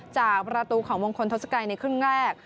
จากประตูของมงคลทศกัยในครึ่งแรก